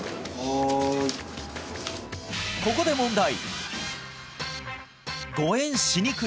ここで問題！